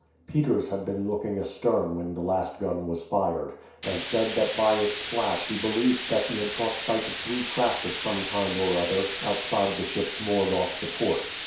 Peters had been looking astern when the last gun was fired, and said that by its flash he believed that he had caught sight of three craft of some kind or other outside the ships moored off the port.